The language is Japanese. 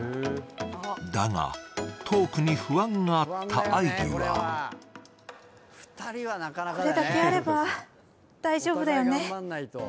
だが、トークに不安があった愛梨はこれだけあれば大丈夫だよね？